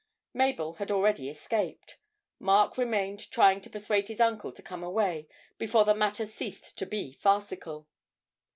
Mabel had already escaped; Mark remained trying to persuade his uncle to come away before the matter ceased to be farcical.